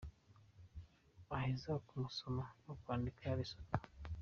Aheza ku gusoma no kwandika : Lesotho.